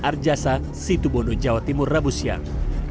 arjasa situbondo jawa timur rabu siang